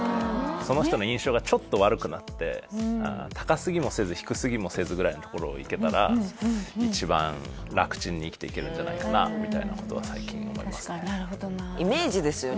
その人の印象がちょっと悪くなって高すぎもせず低すぎもせずぐらいのところをいけたら一番楽ちんに生きていけるんじゃないかなみたいなことは最近思いますねイメージですよね